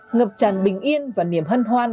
ngập tràn bình yên và niềm hân hoan